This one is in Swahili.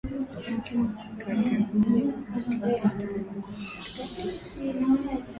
wakati huu watu wakiendelea kufa katika mitaa ya cairo